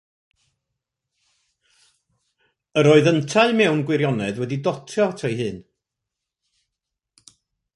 Yr oedd yntau mewn gwirionedd wedi dotio ato ei hun.